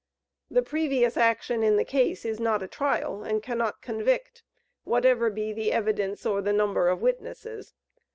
The previous action in the case is not a trial, and cannot convict, whatever be the evidence or the number of witnesses.